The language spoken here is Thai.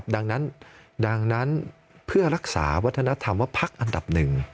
ดังนั้นเพื่อรักษาวัฒนธรรมพักอันดับ๑